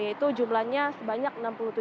yaitu jumlahnya sebanyak enam puluh tujuh